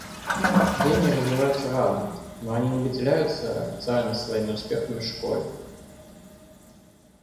Гении развиваются рано, но они не выделяются официально своими успехами в школе.